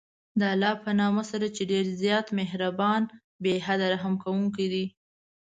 د الله په نامه سره چې ډېر زیات مهربان، بې حده رحم كوونكى دى.